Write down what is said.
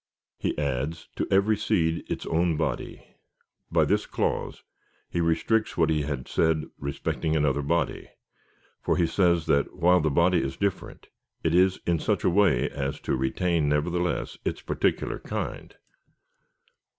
He adds, *to every seed its own body. By this clause he restricts what he had said respecting another body ; for he says that, while the body is different, it is in such a way as to retain, nevertheless, its particular kind.